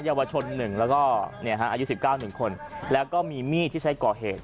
เยาวชน๑แล้วก็อายุ๑๙๑คนแล้วก็มีมีดที่ใช้ก่อเหตุ